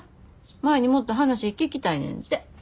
舞にもっと話聞きたいねんて。